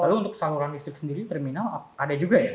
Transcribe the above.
lalu untuk saluran listrik sendiri terminal ada juga ya